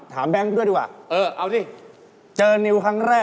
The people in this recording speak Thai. ถามแบงก์ด้วยดีกว่า